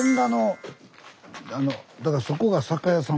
だからそこが酒屋さん。